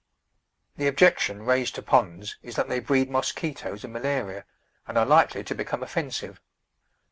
The objection raised to ponds is that they breed mosquitoes and malaria and are likely to become offensive.